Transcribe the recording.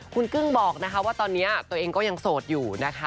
คุณกึ้งบอกนะคะว่าตอนนี้ตัวเองก็ยังโสดอยู่นะคะ